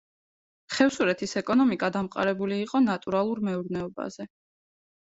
ხევსურეთის ეკონომიკა დამყარებული იყო ნატურალურ მეურნეობაზე.